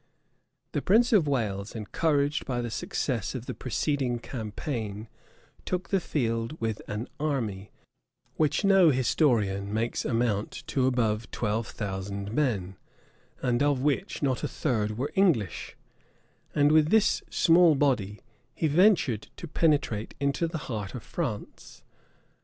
{1356.} The prince of Wales, encouraged by the success of the preceding campaign, took the field with an army, which no historian makes amount to above twelve thousand men, and of which not a third were English; and with this small body, he ventured to penetrate into the heart of France.